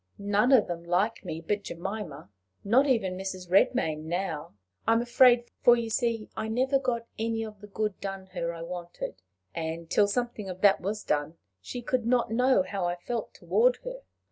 "None of them like me but Jemima not even Mrs. Redmain now, I am afraid; for you see I never got any of the good done her I wanted, and, till something of that was done, she could not know how I felt toward her.